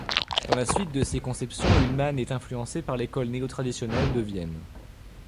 Dans la suite de ses conceptions, Ullmann est influencé par l'école néo-traditionnelle de Vienne.